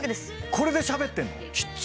これでしゃべってんの？